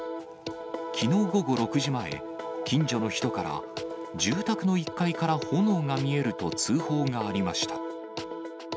きのう午後６時前、近所の人から、住宅の１階から炎が見えると通報がありました。